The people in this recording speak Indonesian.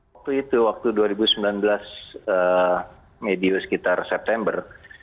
waktu itu waktu dua ribu sembilan belas medio sekitar september